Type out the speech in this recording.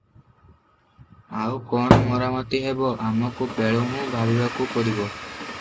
ଆଉ କଣ ମରାମତି ହେବ ଆମକୁ ବେଳ ହୁଁ ଭାବିବାକୁ ପଡ଼ିବ ।